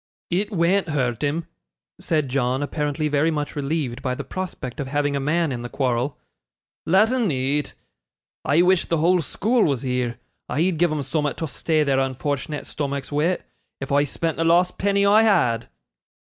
'It wean't hurt him,' said John, apparently very much relieved by the prospect of having a man in the quarrel; 'let' un eat. I wish the whole school was here. I'd give'em soom'at to stay their unfort'nate stomachs wi', if I spent the last penny I had!